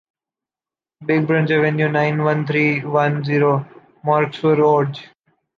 Big Bruch avenue, nine-one-three-nine-zero, Morsang-sur-Orge.